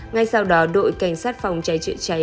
ngay sau đó đội cảnh sát phòng cháy chữa cháy